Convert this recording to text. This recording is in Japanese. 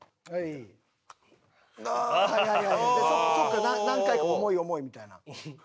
何回か「重い重い」みたいな。